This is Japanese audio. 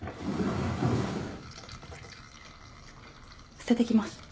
捨ててきます。